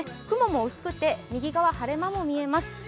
雲も薄くて、右側は晴れ間も見えます。